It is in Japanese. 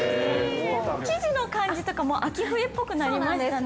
◆生地の感じとかも秋冬っぽくなりましたね。